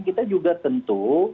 kita juga tentu